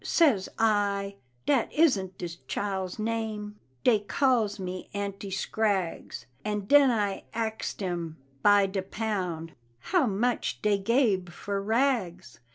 Says I, "Dat isn't dis chile's name, Dey calls me Auntie Scraggs," And den I axed dem, by de pound How much dey gabe for rags?